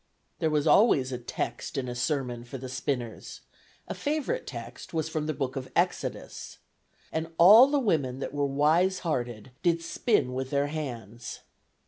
'" There was always a text and a sermon for the spinners; a favorite text was from the Book of Exodus: "And all the women that were wise hearted did spin with their hands."